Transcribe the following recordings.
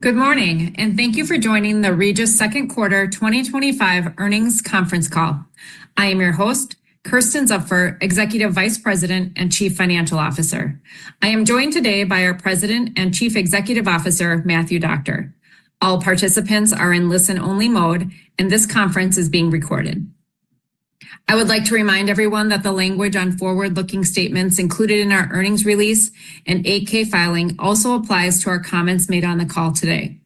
Good morning, and thank you for joining the Regis Second Quarter 2025 earnings conference call. I am your host, Kersten Zupfer, Executive Vice President and Chief Financial Officer. I am joined today by our President and Chief Executive Officer, Matthew Doctor. All participants are in listen-only mode, and this conference is being recorded. I would like to remind everyone that the language on forward-looking statements included in our earnings release and 8-K filing also applies to our comments made on the call today.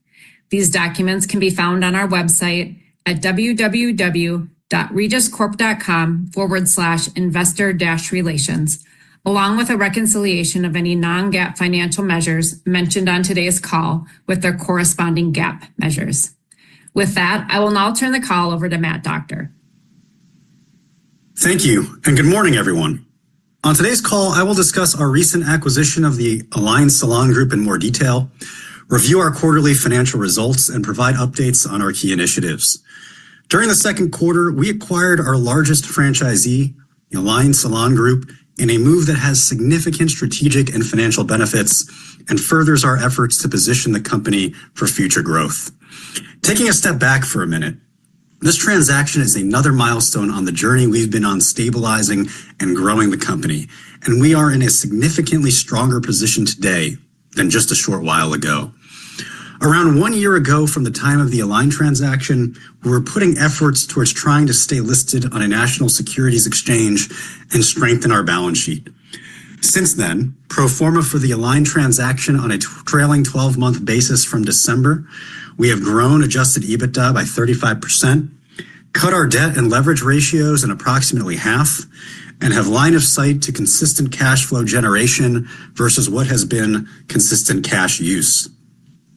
These documents can be found on our website at www.regiscorp.com/investor-relations, along with a reconciliation of any non-GAAP financial measures mentioned on today's call with their corresponding GAAP measures. With that, I will now turn the call over to Matt Doctor. Thank you, and good morning, everyone. On today's call, I will discuss our recent acquisition of the Alline Salon Group in more detail, review our quarterly financial results, and provide updates on our key initiatives. During the second quarter, we acquired our largest franchisee, the Alline Salon Group, in a move that has significant strategic and financial benefits and furthers our efforts to position the company for future growth. Taking a step back for a minute, this transaction is another milestone on the journey we've been on stabilizing and growing the company, and we are in a significantly stronger position today than just a short while ago. Around one year ago from the time of the Alline transaction, we were putting efforts towards trying to stay listed on a national securities exchange and strengthen our balance sheet. Since then, pro forma for the Alline transaction on a trailing 12-month basis from December, we have grown adjusted EBITDA by 35%, cut our debt and leverage ratios in approximately half, and have line of sight to consistent cash flow generation versus what has been consistent cash use.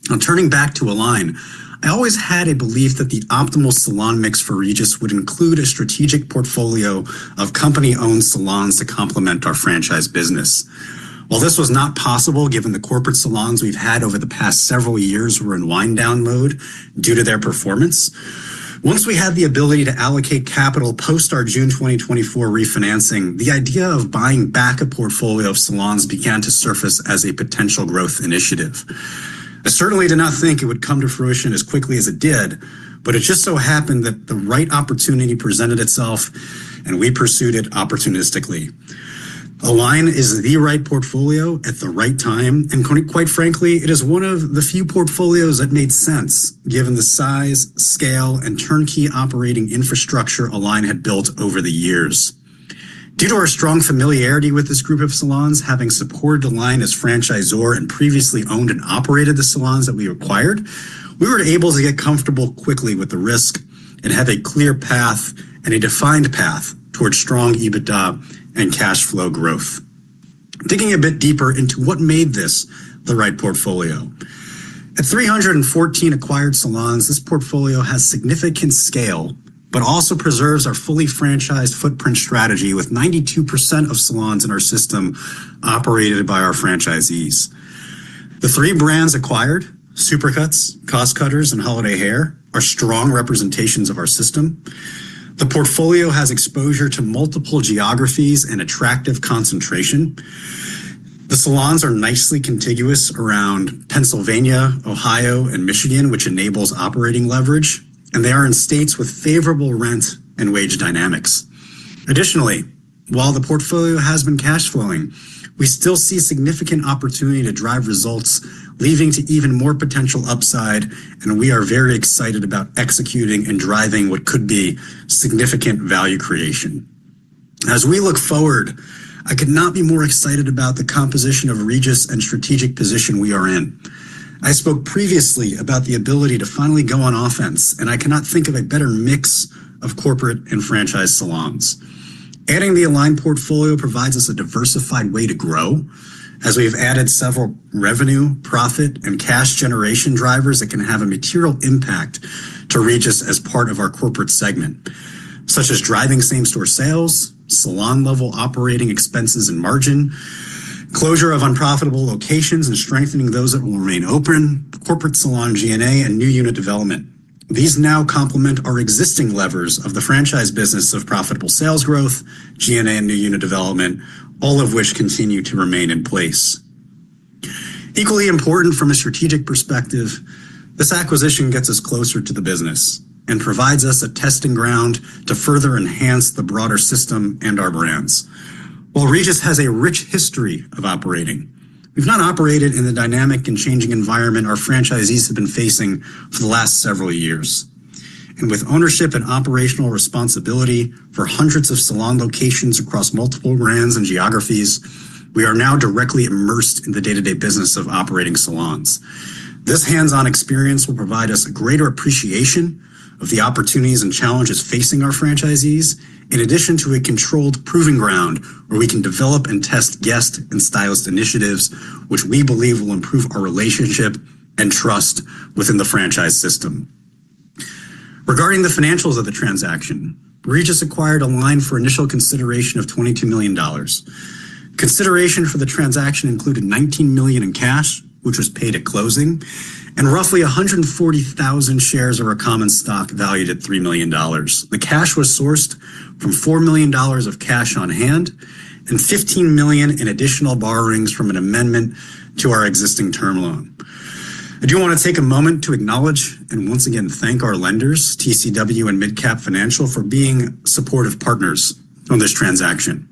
Now, turning back to Alline, I always had a belief that the optimal salon mix for Regis would include a strategic portfolio of company-owned salons to complement our franchise business. While this was not possible given the corporate salons we've had over the past several years were in wind-down mode due to their performance, once we had the ability to allocate capital post our June 2024 refinancing, the idea of buying back a portfolio of salons began to surface as a potential growth initiative. I certainly did not think it would come to fruition as quickly as it did, but it just so happened that the right opportunity presented itself, and we pursued it opportunistically. Alline is the right portfolio at the right time, and quite frankly, it is one of the few portfolios that made sense given the size, scale, and turnkey operating infrastructure Alline had built over the years. Due to our strong familiarity with this group of salons, having supported Alline as franchisor and previously owned and operated the salons that we acquired, we were able to get comfortable quickly with the risk and have a clear path and a defined path towards strong EBITDA and cash flow growth. Digging a bit deeper into what made this the right portfolio, at 314 acquired salons, this portfolio has significant scale but also preserves our fully franchised footprint strategy with 92% of salons in our system operated by our franchisees. The three brands acquired, Supercuts, Cost Cutters, and Holiday Hair, are strong representations of our system. The portfolio has exposure to multiple geographies and attractive concentration. The salons are nicely contiguous around Pennsylvania, Ohio, and Michigan, which enables operating leverage, and they are in states with favorable rent and wage dynamics. Additionally, while the portfolio has been cash flowing, we still see significant opportunity to drive results, leading to even more potential upside, and we are very excited about executing and driving what could be significant value creation. As we look forward, I could not be more excited about the composition of Regis and strategic position we are in. I spoke previously about the ability to finally go on offense, and I cannot think of a better mix of corporate and franchise salons. Adding the Alline portfolio provides us a diversified way to grow, as we have added several revenue, profit, and cash generation drivers that can have a material impact to Regis as part of our corporate segment, such as driving same-store sales, salon-level operating expenses and margin, closure of unprofitable locations and strengthening those that will remain open, corporate salon G&A, and new unit development. These now complement our existing levers of the franchise business of profitable sales growth, G&A, and new unit development, all of which continue to remain in place. Equally important from a strategic perspective, this acquisition gets us closer to the business and provides us a testing ground to further enhance the broader system and our brands. While Regis has a rich history of operating, we've not operated in the dynamic and changing environment our franchisees have been facing for the last several years. With ownership and operational responsibility for hundreds of salon locations across multiple brands and geographies, we are now directly immersed in the day-to-day business of operating salons. This hands-on experience will provide us a greater appreciation of the opportunities and challenges facing our franchisees, in addition to a controlled proving ground where we can develop and test guest and stylist initiatives, which we believe will improve our relationship and trust within the franchise system. Regarding the financials of the transaction, Regis acquired Alline for initial consideration of $22 million. Consideration for the transaction included $19 million in cash, which was paid at closing, and roughly 140,000 shares of our common stock valued at $3 million. The cash was sourced from $4 million of cash on hand and $15 million in additional borrowings from an amendment to our existing term loan. I do want to take a moment to acknowledge and once again thank our lenders, TCW and MidCap Financial, for being supportive partners on this transaction.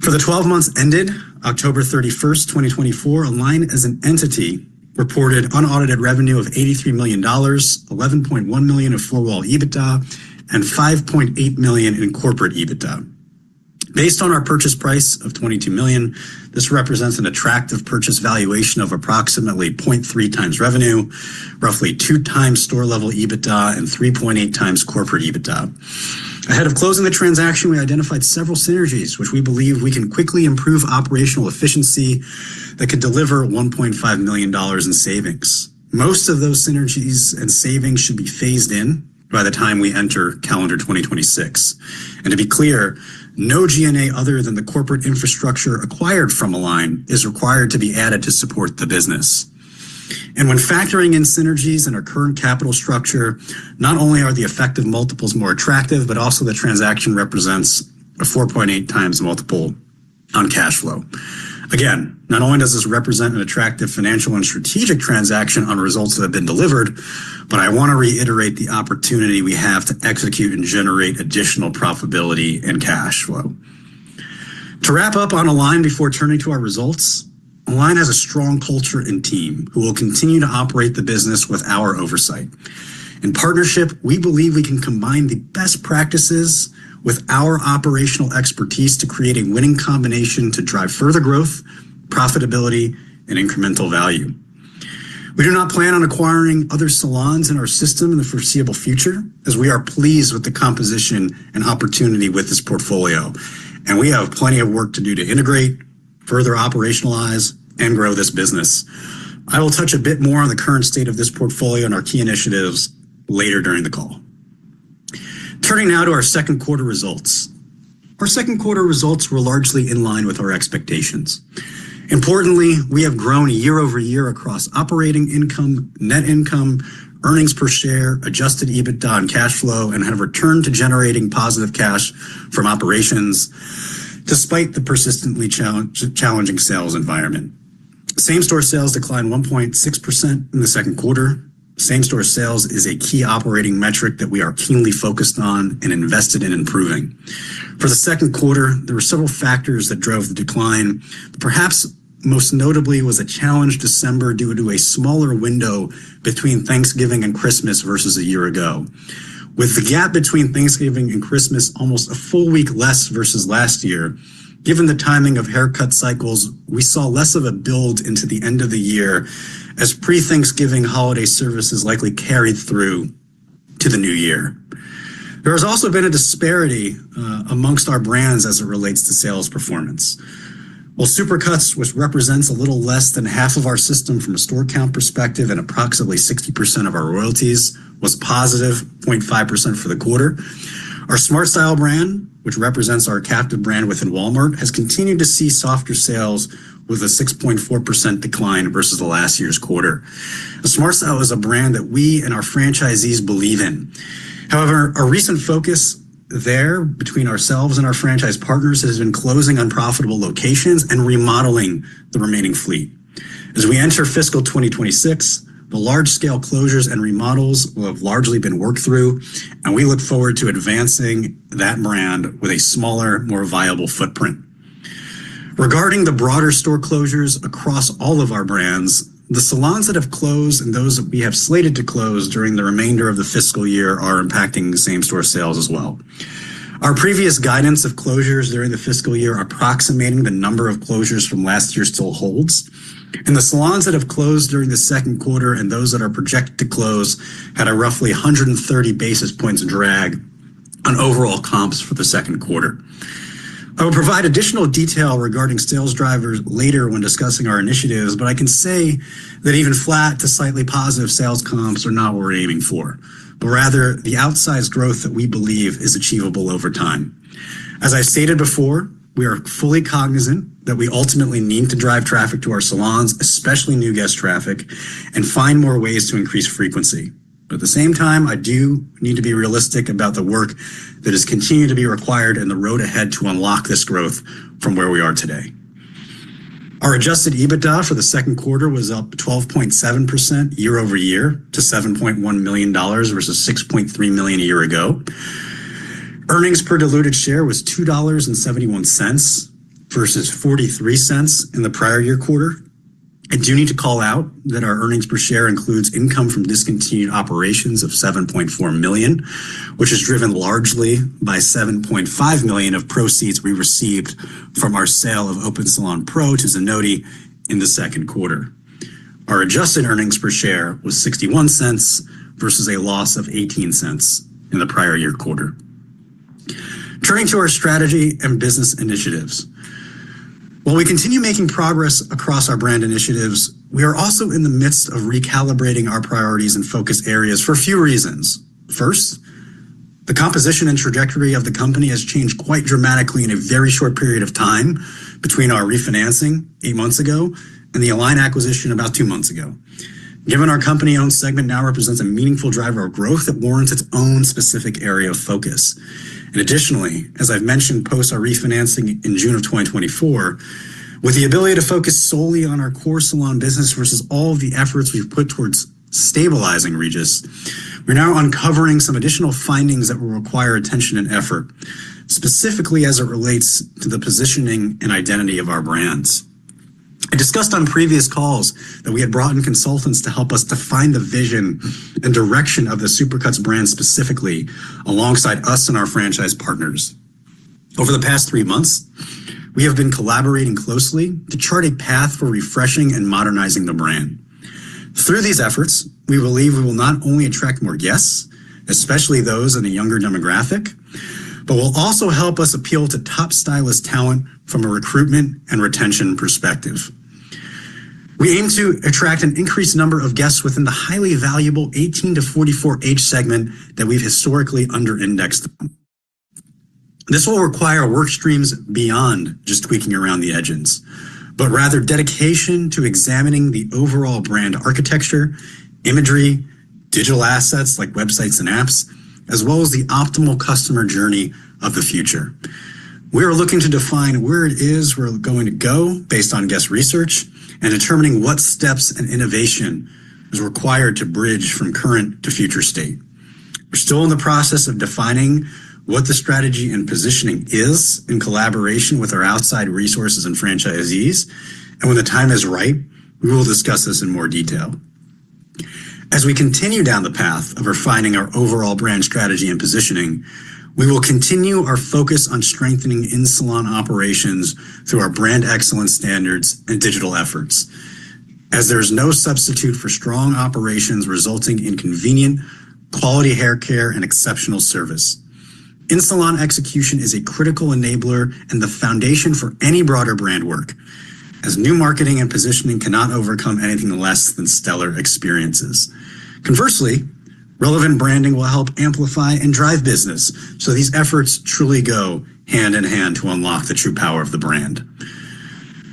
For the 12 months ended October 31, 2024, Alline, as an entity, reported unaudited revenue of $83 million, $11.1 million of four-wall EBITDA, and $5.8 million in corporate EBITDA. Based on our purchase price of $22 million, this represents an attractive purchase valuation of approximately 0.3x revenue, roughly 2x store-level EBITDA, and 3.8x corporate EBITDA. Ahead of closing the transaction, we identified several synergies, which we believe we can quickly improve operational efficiency that could deliver $1.5 million in savings. Most of those synergies and savings should be phased in by the time we enter calendar 2026. To be clear, no G&A other than the corporate infrastructure acquired from Alline is required to be added to support the business. When factoring in synergies and our current capital structure, not only are the effective multiples more attractive, but also the transaction represents a 4.8x multiple on cash flow. Again, not only does this represent an attractive financial and strategic transaction on results that have been delivered, but I want to reiterate the opportunity we have to execute and generate additional profitability and cash flow. To wrap up on Alline before turning to our results, Alline has a strong culture and team who will continue to operate the business with our oversight. In partnership, we believe we can combine the best practices with our operational expertise to create a winning combination to drive further growth, profitability, and incremental value. We do not plan on acquiring other salons in our system in the foreseeable future, as we are pleased with the composition and opportunity with this portfolio, and we have plenty of work to do to integrate, further operationalize, and grow this business. I will touch a bit more on the current state of this portfolio and our key initiatives later during the call. Turning now to our second quarter results, our second quarter results were largely in line with our expectations. Importantly, we have grown year over year across operating income, net income, earnings per share, adjusted EBITDA and cash flow, and have returned to generating positive cash from operations despite the persistently challenging sales environment. Same-store sales declined 1.6% in the second quarter. Same-store sales is a key operating metric that we are keenly focused on and invested in improving. For the second quarter, there were several factors that drove the decline. Perhaps most notably was a challenged December due to a smaller window between Thanksgiving and Christmas versus a year ago. With the gap between Thanksgiving and Christmas almost a full week less versus last year, given the timing of haircut cycles, we saw less of a build into the end of the year as pre-Thanksgiving holiday services likely carried through to the new year. There has also been a disparity amongst our brands as it relates to sales performance. While Supercuts, which represents a little less than half of our system from a store count perspective and approximately 60% of our royalties, was positive, 0.5% for the quarter, our SmartStyle brand, which represents our captive brand within Walmart, has continued to see softer sales with a 6.4% decline versus the last year's quarter. SmartStyle is a brand that we and our franchisees believe in. However, our recent focus there between ourselves and our franchise partners has been closing unprofitable locations and remodeling the remaining fleet. As we enter fiscal 2026, the large-scale closures and remodels will have largely been worked through, and we look forward to advancing that brand with a smaller, more viable footprint. Regarding the broader store closures across all of our brands, the salons that have closed and those that we have slated to close during the remainder of the fiscal year are impacting same-store sales as well. Our previous guidance of closures during the fiscal year approximating the number of closures from last year still holds, and the salons that have closed during the second quarter and those that are projected to close had a roughly 130 basis points of drag on overall comps for the second quarter. I will provide additional detail regarding sales drivers later when discussing our initiatives, but I can say that even flat to slightly positive sales comps are not what we're aiming for, but rather the outsized growth that we believe is achievable over time. As I stated before, we are fully cognizant that we ultimately need to drive traffic to our salons, especially new guest traffic, and find more ways to increase frequency. At the same time, I do need to be realistic about the work that is continued to be required and the road ahead to unlock this growth from where we are today. Our adjusted EBITDA for the second quarter was up 12.7% year over year to $7.1 million versus $6.3 million a year ago. Earnings per diluted share was $2.71 versus $0.43 in the prior year quarter. I do need to call out that our earnings per share includes income from discontinued operations of $7.4 million, which is driven largely by $7.5 million of proceeds we received from our sale of Open Salon Pro to Zenoti in the second quarter. Our adjusted earnings per share was $0.61 versus a loss of $0.18 in the prior year quarter. Turning to our strategy and business initiatives, while we continue making progress across our brand initiatives, we are also in the midst of recalibrating our priorities and focus areas for a few reasons. First, the composition and trajectory of the company has changed quite dramatically in a very short period of time between our refinancing eight months ago and the Alline acquisition about two months ago. Given our company-owned segment now represents a meaningful driver of growth that warrants its own specific area of focus. Additionally, as I've mentioned post our refinancing in June of 2024, with the ability to focus solely on our core salon business versus all of the efforts we've put towards stabilizing Regis, we're now uncovering some additional findings that will require attention and effort, specifically as it relates to the positioning and identity of our brands. I discussed on previous calls that we had brought in consultants to help us define the vision and direction of the Supercuts brand specifically alongside us and our franchise partners. Over the past three months, we have been collaborating closely to chart a path for refreshing and modernizing the brand. Through these efforts, we believe we will not only attract more guests, especially those in the younger demographic, but will also help us appeal to top stylist talent from a recruitment and retention perspective. We aim to attract an increased number of guests within the highly valuable 18 to 44 age segment that we've historically under-indexed. This will require work streams beyond just tweaking around the edges, but rather dedication to examining the overall brand architecture, imagery, digital assets like websites and apps, as well as the optimal customer journey of the future. We are looking to define where it is we're going to go based on guest research and determining what steps and innovation are required to bridge from current to future state. We're still in the process of defining what the strategy and positioning is in collaboration with our outside resources and franchisees, and when the time is right, we will discuss this in more detail. As we continue down the path of refining our overall brand strategy and positioning, we will continue our focus on strengthening in-salon operations through our brand excellence standards and digital efforts, as there is no substitute for strong operations resulting in convenient, quality haircare and exceptional service. In-salon execution is a critical enabler and the foundation for any broader brand work, as new marketing and positioning cannot overcome anything less than stellar experiences. Conversely, relevant branding will help amplify and drive business so these efforts truly go hand in hand to unlock the true power of the brand.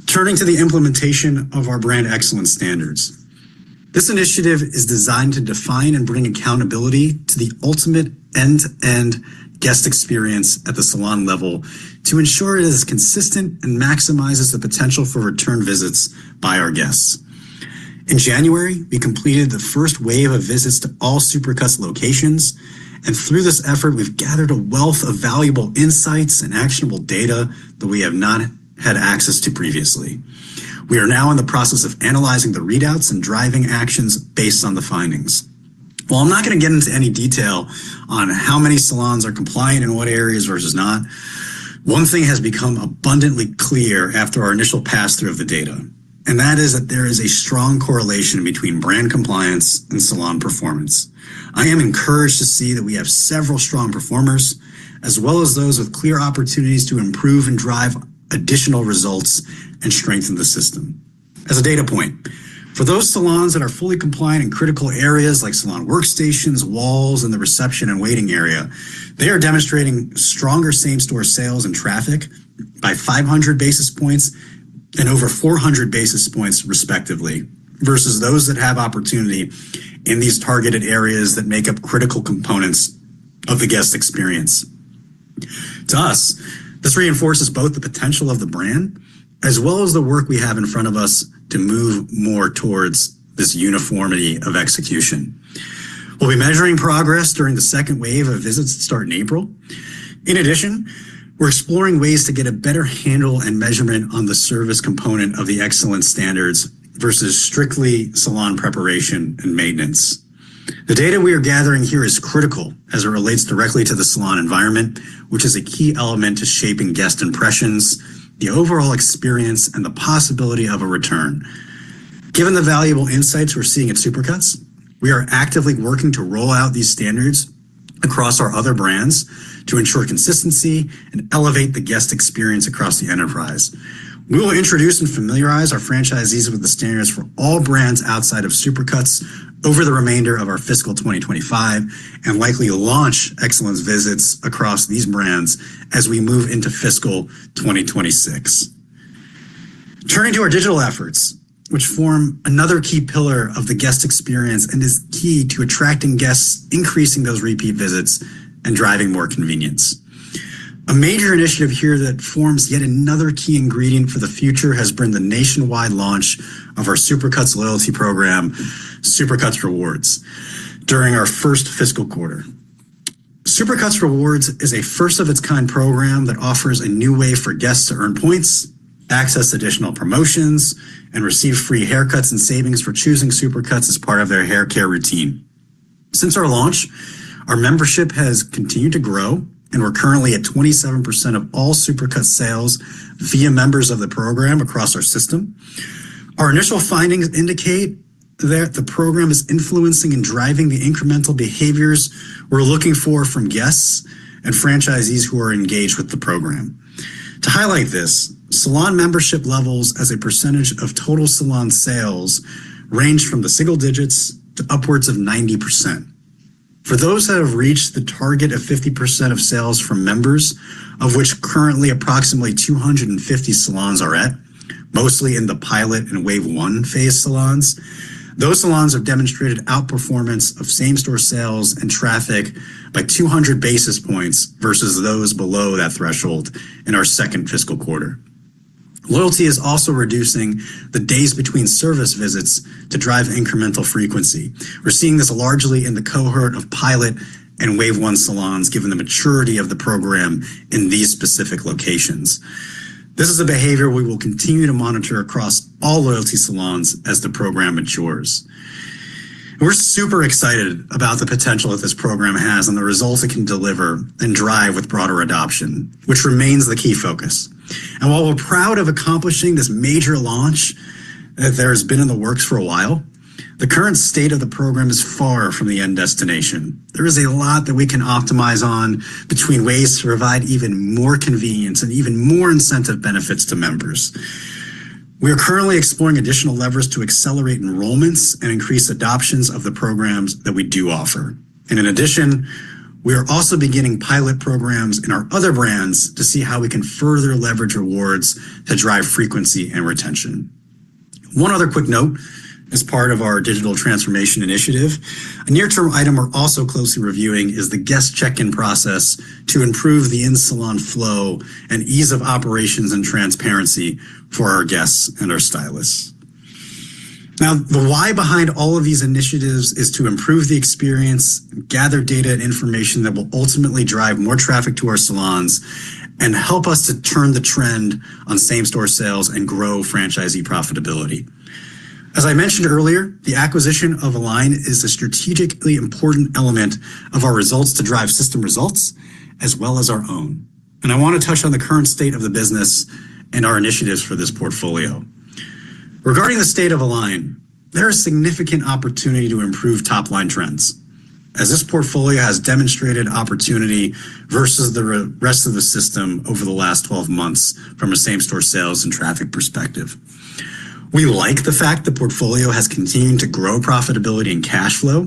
Turning to the implementation of our brand excellence standards, this initiative is designed to define and bring accountability to the ultimate end-to-end guest experience at the salon level to ensure it is consistent and maximizes the potential for return visits by our guests. In January, we completed the first wave of visits to all Supercuts locations, and through this effort, we've gathered a wealth of valuable insights and actionable data that we have not had access to previously. We are now in the process of analyzing the readouts and driving actions based on the findings. While I'm not going to get into any detail on how many salons are compliant in what areas versus not, one thing has become abundantly clear after our initial pass-through of the data, and that is that there is a strong correlation between brand compliance and salon performance. I am encouraged to see that we have several strong performers, as well as those with clear opportunities to improve and drive additional results and strengthen the system. As a data point, for those salons that are fully compliant in critical areas like salon workstations, walls, and the reception and waiting area, they are demonstrating stronger same-store sales and traffic by 500 basis points and over 400 basis points respectively versus those that have opportunity in these targeted areas that make up critical components of the guest experience. To us, this reinforces both the potential of the brand as well as the work we have in front of us to move more towards this uniformity of execution. We'll be measuring progress during the second wave of visits that start in April. In addition, we're exploring ways to get a better handle and measurement on the service component of the excellence standards versus strictly salon preparation and maintenance. The data we are gathering here is critical as it relates directly to the salon environment, which is a key element to shaping guest impressions, the overall experience, and the possibility of a return. Given the valuable insights we're seeing at Supercuts, we are actively working to roll out these standards across our other brands to ensure consistency and elevate the guest experience across the enterprise. We will introduce and familiarize our franchisees with the standards for all brands outside of Supercuts over the remainder of our fiscal 2025 and likely launch excellence visits across these brands as we move into fiscal 2026. Turning to our digital efforts, which form another key pillar of the guest experience and is key to attracting guests, increasing those repeat visits, and driving more convenience. A major initiative here that forms yet another key ingredient for the future has been the nationwide launch of our Supercuts loyalty program, Supercuts Rewards, during our first fiscal quarter. Supercuts Rewards is a first-of-its-kind program that offers a new way for guests to earn points, access additional promotions, and receive free haircuts and savings for choosing Supercuts as part of their haircare routine. Since our launch, our membership has continued to grow, and we're currently at 27% of all Supercuts sales via members of the program across our system. Our initial findings indicate that the program is influencing and driving the incremental behaviors we're looking for from guests and franchisees who are engaged with the program. To highlight this, salon membership levels as a percentage of total salon sales range from the single digits to upwards of 90%. For those that have reached the target of 50% of sales from members, of which currently approximately 250 salons are at, mostly in the pilot and wave one phase salons, those salons have demonstrated outperformance of same-store sales and traffic by 200 basis points versus those below that threshold in our second fiscal quarter. Loyalty is also reducing the days between service visits to drive incremental frequency. We're seeing this largely in the cohort of pilot and wave one salons, given the maturity of the program in these specific locations. This is a behavior we will continue to monitor across all loyalty salons as the program matures. We're super excited about the potential that this program has and the results it can deliver and drive with broader adoption, which remains the key focus. While we're proud of accomplishing this major launch that has been in the works for a while, the current state of the program is far from the end destination. There is a lot that we can optimize on between ways to provide even more convenience and even more incentive benefits to members. We are currently exploring additional levers to accelerate enrollments and increase adoptions of the programs that we do offer. In addition, we are also beginning pilot programs in our other brands to see how we can further leverage rewards to drive frequency and retention. One other quick note as part of our digital transformation initiative, a near-term item we're also closely reviewing is the guest check-in process to improve the in-salon flow and ease of operations and transparency for our guests and our stylists. Now, the why behind all of these initiatives is to improve the experience, gather data and information that will ultimately drive more traffic to our salons, and help us to turn the trend on same-store sales and grow franchisee profitability. As I mentioned earlier, the acquisition of Alline is a strategically important element of our results to drive system results as well as our own. I want to touch on the current state of the business and our initiatives for this portfolio. Regarding the state of Alline, there is significant opportunity to improve top-line trends, as this portfolio has demonstrated opportunity versus the rest of the system over the last 12 months from a same-store sales and traffic perspective. We like the fact the portfolio has continued to grow profitability and cash flow.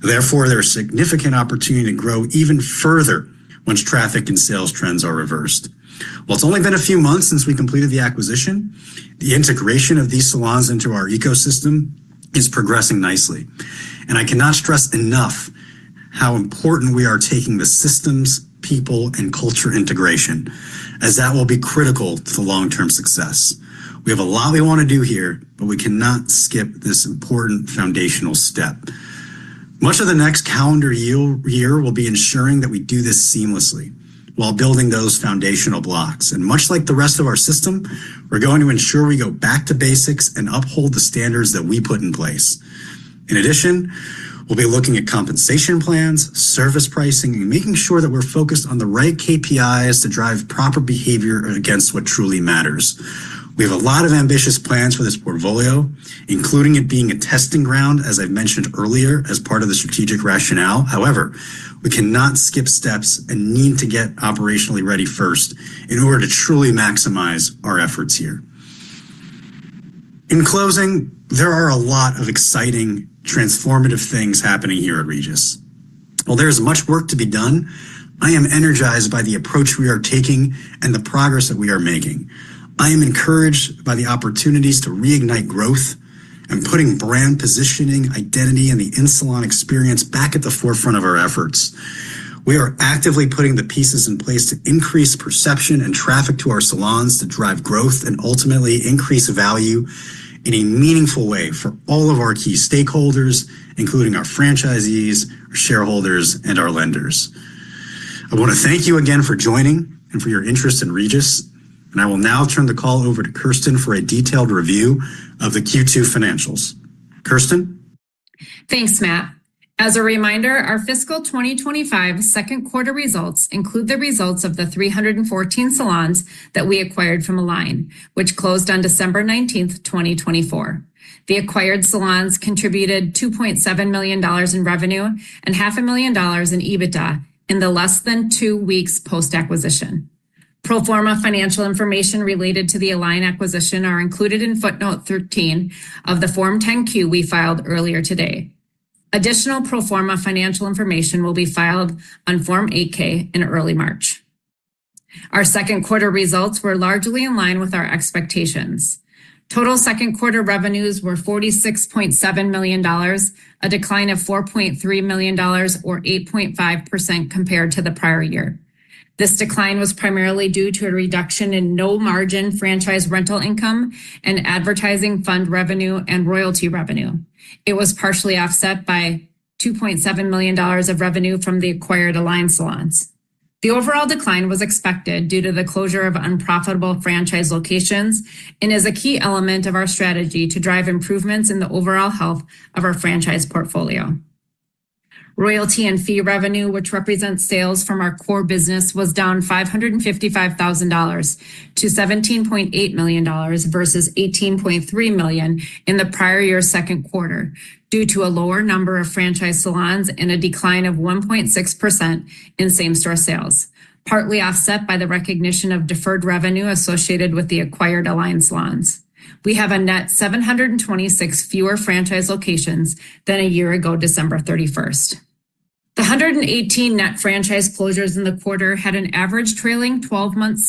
Therefore, there is significant opportunity to grow even further once traffic and sales trends are reversed. While it's only been a few months since we completed the acquisition, the integration of these salons into our ecosystem is progressing nicely. I cannot stress enough how important we are taking the systems, people, and culture integration, as that will be critical to the long-term success. We have a lot we want to do here, but we cannot skip this important foundational step. Much of the next calendar year will be ensuring that we do this seamlessly while building those foundational blocks. Much like the rest of our system, we're going to ensure we go back to basics and uphold the standards that we put in place. In addition, we'll be looking at compensation plans, service pricing, and making sure that we're focused on the right KPIs to drive proper behavior against what truly matters. We have a lot of ambitious plans for this portfolio, including it being a testing ground, as I've mentioned earlier, as part of the strategic rationale. However, we cannot skip steps and need to get operationally ready first in order to truly maximize our efforts here. In closing, there are a lot of exciting, transformative things happening here at Regis. While there is much work to be done, I am energized by the approach we are taking and the progress that we are making. I am encouraged by the opportunities to reignite growth and putting brand positioning, identity, and the in-salon experience back at the forefront of our efforts. We are actively putting the pieces in place to increase perception and traffic to our salons to drive growth and ultimately increase value in a meaningful way for all of our key stakeholders, including our franchisees, our shareholders, and our lenders. I want to thank you again for joining and for your interest in Regis. I will now turn the call over to Kersten for a detailed review of the Q2 financials. Kersten? Thanks, Matt. As a reminder, our fiscal 2025 second-quarter results include the results of the 314 salons that we acquired from Alline, which closed on December 19, 2024. The acquired salons contributed $2.7 million in revenue and $500,000 in EBITDA in the less than two weeks post-acquisition. Proforma financial information related to the Alline acquisition are included in footnote 13 of the Form 10-Q we filed earlier today. Additional proforma financial information will be filed on Form 8-K in early March. Our second-quarter results were largely in line with our expectations. Total second-quarter revenues were $46.7 million, a decline of $4.3 million, or 8.5% compared to the prior year. This decline was primarily due to a reduction in no-margin franchise rental income and advertising fund revenue and royalty revenue. It was partially offset by $2.7 million of revenue from the acquired Alline salons. The overall decline was expected due to the closure of unprofitable franchise locations and is a key element of our strategy to drive improvements in the overall health of our franchise portfolio. Royalty and fee revenue, which represents sales from our core business, was down $555,000-$17.8 million versus $18.3 million in the prior year's second quarter due to a lower number of franchise salons and a decline of 1.6% in same-store sales, partly offset by the recognition of deferred revenue associated with the acquired Alline salons. We have a net 726 fewer franchise locations than a year ago, December 31. The 118 net franchise closures in the quarter had an average trailing 12-month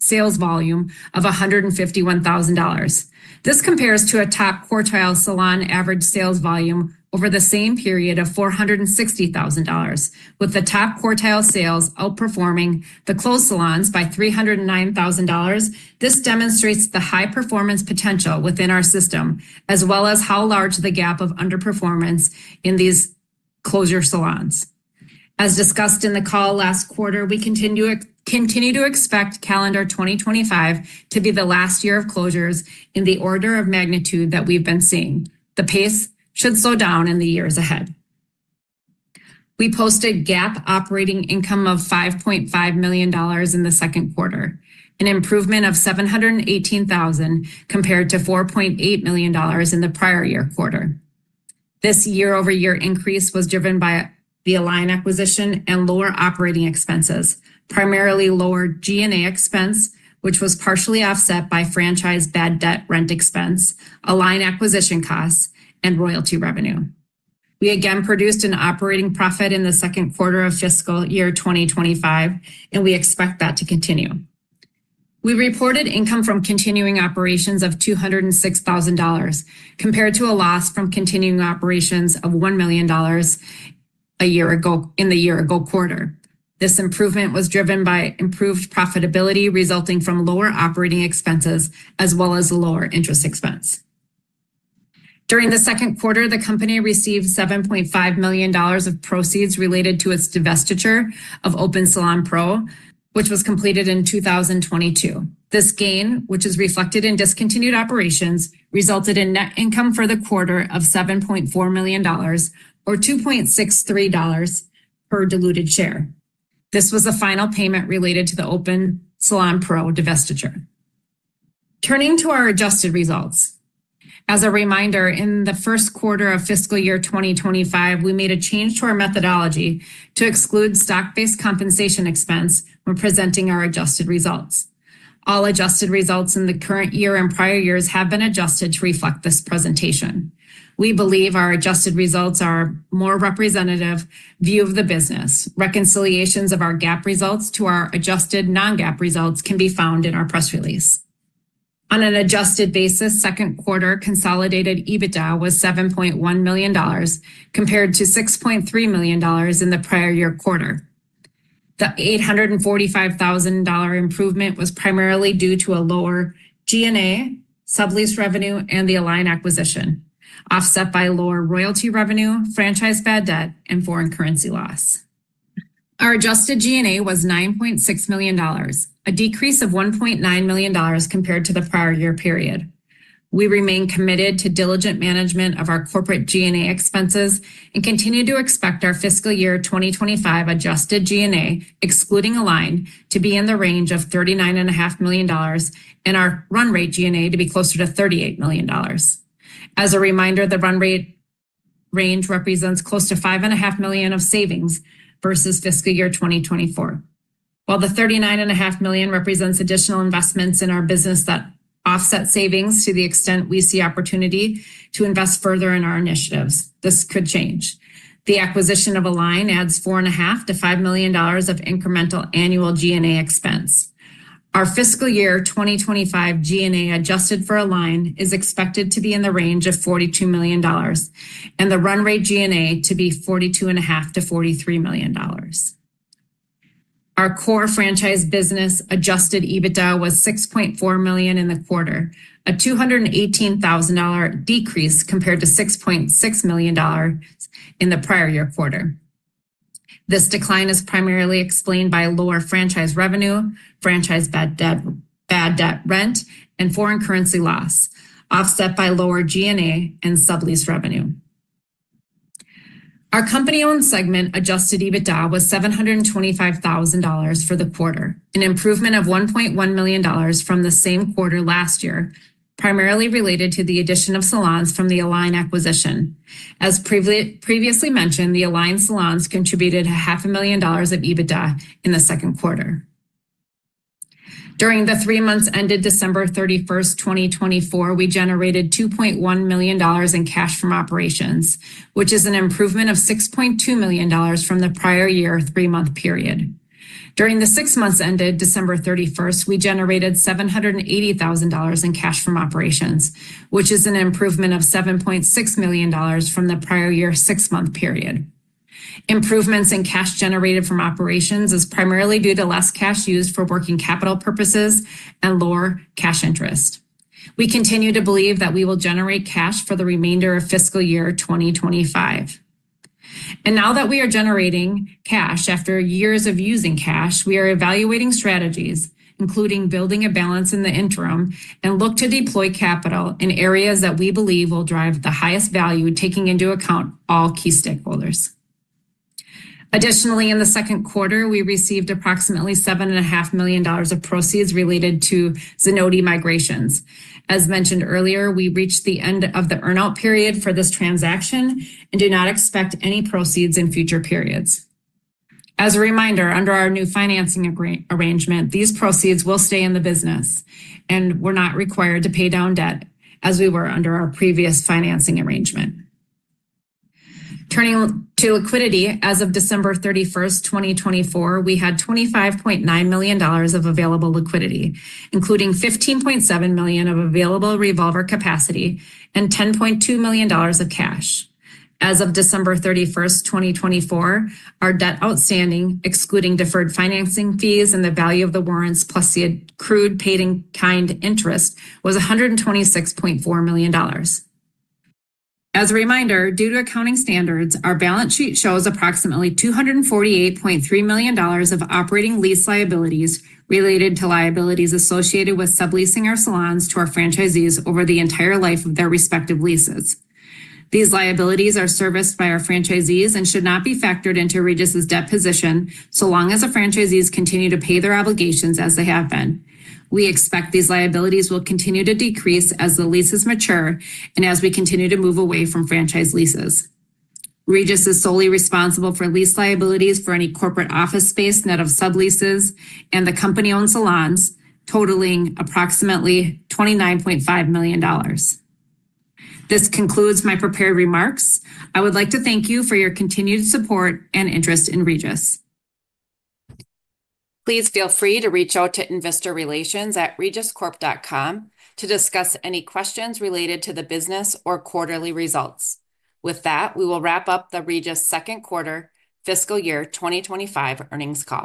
sales volume of $151,000. This compares to a top quartile salon average sales volume over the same period of $460,000. With the top quartile sales outperforming the closed salons by $309,000, this demonstrates the high performance potential within our system, as well as how large the gap of underperformance in these closure salons. As discussed in the call last quarter, we continue to expect calendar 2025 to be the last year of closures in the order of magnitude that we've been seeing. The pace should slow down in the years ahead. We posted GAAP operating income of $5.5 million in the second quarter, an improvement of $718,000 compared to $4.8 million in the prior year quarter. This year-over-year increase was driven by the Alline acquisition and lower operating expenses, primarily lower G&A expense, which was partially offset by franchise bad debt rent expense, Alline acquisition costs, and royalty revenue. We again produced an operating profit in the second quarter of fiscal year 2025, and we expect that to continue. We reported income from continuing operations of $206,000 compared to a loss from continuing operations of $1 million in the year-ago quarter. This improvement was driven by improved profitability resulting from lower operating expenses as well as lower interest expense. During the second quarter, the company received $7.5 million of proceeds related to its divestiture of Open Salon Pro, which was completed in 2022. This gain, which is reflected in discontinued operations, resulted in net income for the quarter of $7.4 million, or $2.63 per diluted share. This was the final payment related to the Open Salon Pro divestiture. Turning to our adjusted results. As a reminder, in the first quarter of fiscal year 2025, we made a change to our methodology to exclude stock-based compensation expense when presenting our adjusted results. All adjusted results in the current year and prior years have been adjusted to reflect this presentation. We believe our adjusted results are a more representative view of the business. Reconciliations of our GAAP results to our adjusted non-GAAP results can be found in our press release. On an adjusted basis, second quarter consolidated EBITDA was $7.1 million compared to $6.3 million in the prior year quarter. The $845,000 improvement was primarily due to a lower G&A, sub-lease revenue, and the Alline acquisition, offset by lower royalty revenue, franchise bad debt, and foreign currency loss. Our adjusted G&A was $9.6 million, a decrease of $1.9 million compared to the prior year period. We remain committed to diligent management of our corporate G&A expenses and continue to expect our fiscal year 2025 adjusted G&A, excluding Alline, to be in the range of $39.5 million and our run rate G&A to be closer to $38 million. As a reminder, the run rate range represents close to $5.5 million of savings versus fiscal year 2024. While the $39.5 million represents additional investments in our business that offset savings to the extent we see opportunity to invest further in our initiatives, this could change. The acquisition of Alline adds $4.5 million-$5 million of incremental annual G&A expense. Our fiscal year 2025 G&A adjusted for Alline is expected to be in the range of $42 million and the run rate G&A to be $42.5 million-$43 million. Our core franchise business adjusted EBITDA was $6.4 million in the quarter, a $218,000 decrease compared to $6.6 million in the prior year quarter. This decline is primarily explained by lower franchise revenue, franchise bad debt rent, and foreign currency loss, offset by lower G&A and sub-lease revenue. Our company-owned segment adjusted EBITDA was $725,000 for the quarter, an improvement of $1.1 million from the same quarter last year, primarily related to the addition of salons from the Alline acquisition. As previously mentioned, the Alline salons contributed $500,000 of EBITDA in the second quarter. During the three months ended December 31, 2024, we generated $2.1 million in cash from operations, which is an improvement of $6.2 million from the prior year three-month period. During the six months ended December 31, we generated $780,000 in cash from operations, which is an improvement of $7.6 million from the prior year six-month period. Improvements in cash generated from operations are primarily due to less cash used for working capital purposes and lower cash interest. We continue to believe that we will generate cash for the remainder of fiscal year 2025. Now that we are generating cash after years of using cash, we are evaluating strategies, including building a balance in the interim, and look to deploy capital in areas that we believe will drive the highest value, taking into account all key stakeholders. Additionally, in the second quarter, we received approximately $7.5 million of proceeds related to Zenoti migrations. As mentioned earlier, we reached the end of the earnout period for this transaction and do not expect any proceeds in future periods. As a reminder, under our new financing arrangement, these proceeds will stay in the business, and we're not required to pay down debt as we were under our previous financing arrangement. Turning to liquidity, as of December 31, 2024, we had $25.9 million of available liquidity, including $15.7 million of available revolver capacity and $10.2 million of cash. As of December 31, 2024, our debt outstanding, excluding deferred financing fees and the value of the warrants plus the accrued paid-in-kind interest, was $126.4 million. As a reminder, due to accounting standards, our balance sheet shows approximately $248.3 million of operating lease liabilities related to liabilities associated with sub-leasing our salons to our franchisees over the entire life of their respective leases. These liabilities are serviced by our franchisees and should not be factored into Regis's debt position so long as the franchisees continue to pay their obligations as they have been. We expect these liabilities will continue to decrease as the leases mature and as we continue to move away from franchise leases. Regis is solely responsible for lease liabilities for any corporate office space, net of sub-leases, and the company-owned salons, totaling approximately $29.5 million. This concludes my prepared remarks. I would like to thank you for your continued support and interest in Regis. Please feel free to reach out to Investor Relations at regiscorp.com to discuss any questions related to the business or quarterly results. With that, we will wrap up the Regis second quarter fiscal year 2025 earnings call.